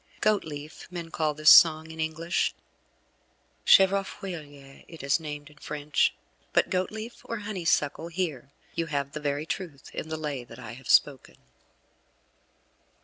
Goatleaf, men call this song in English. Chèvrefeuille it is named in French; but Goatleaf or Honeysuckle, here you have the very truth in the Lay that I have spoken.